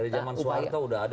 dari zaman suara itu udah ada